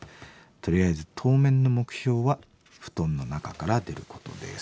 とりあえず当面の目標は布団の中から出ることです」。